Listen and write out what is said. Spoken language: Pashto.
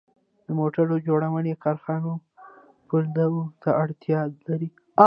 د موټر جوړونې کارخانه پولادو ته اړتیا لري